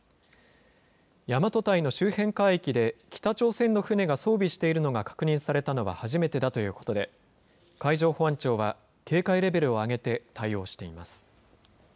大和堆の周辺海域で北朝鮮の船が装備しているのが確認されたのは初めてだということで、海上保安庁は警戒レベルを上げて対応しています。